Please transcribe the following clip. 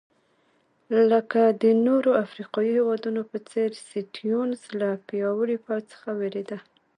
لکه د نورو افریقایي هېوادونو په څېر سټیونز له پیاوړي پوځ څخه وېرېده.